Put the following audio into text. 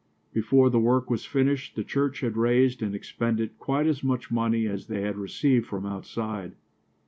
Before the work was finished the church had raised and expended quite as much money as they had received from outside.